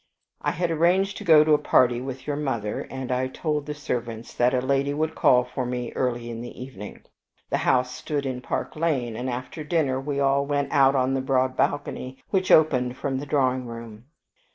I had arranged to go to a party with your mother, and I told the servants that a lady would call for me early in the evening. The house stood in Park Lane, and after dinner we all went out on to the broad balcony which opened from the drawing room.